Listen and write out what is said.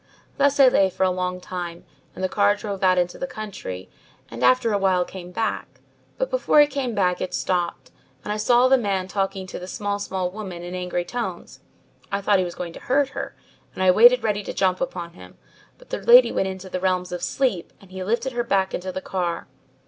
Thus I lay for a long time and the car drove out into the country and after a while came back, but before it came back it stopped and I saw the man talking to the small small woman in angry tones. I thought he was going to hurt her and I waited ready to jump upon him, but the lady went into the realms of sleep and he lifted her back into the car.